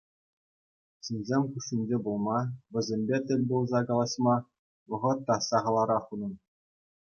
Ҫынсем хушшинче пулма, вӗсемпе тӗл пулса калаҫма вӑхӑт та сахалрах унӑн.